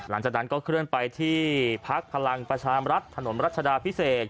หลังจากนั้นก็เคลื่อนไปที่พักพลังประชามรัฐถนนรัชดาพิเศษ